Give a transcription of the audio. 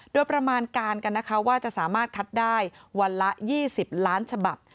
โดยประมาณการกันนะคะว่าจะสามารถคัดได้วันละ๒๐ล้านฉบับ